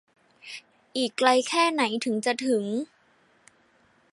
อีกไกลแค่ไหนถึงจะถึง